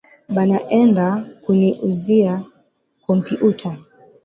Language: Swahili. Banaenda kuniuzia kompiuta